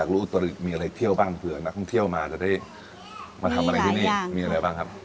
รู้เขาบอกได้เลยมาสายนี้เลย